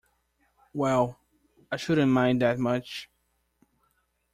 Well, I shouldn’t mind that much!